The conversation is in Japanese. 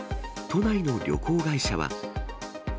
都内の旅行会社は。